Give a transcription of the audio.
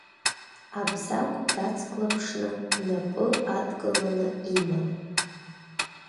Абзагә дацклаԥшны, напы адкыланы иман.